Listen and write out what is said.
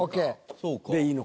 そうか。